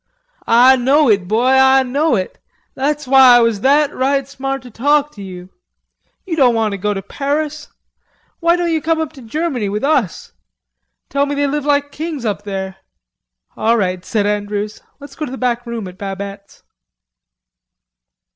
"Ah know it, boy. Ah know it. That's why I was that right smart to talk to you.... You doan want to go to Paris.... Why doan ye come up to Germany with us? Tell me they live like kings up there." "All right," said Andrews, "let's go to the back room at Babette's."